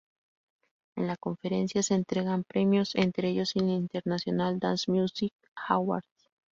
En la conferencia, se entregan premios, entre ellos el International Dance Music Awards.